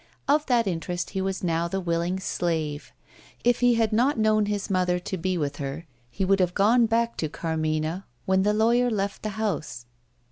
Of that interest he was now the willing slave. If he had not known his mother to be with her, he would have gone back to Carmina when the lawyer left the house.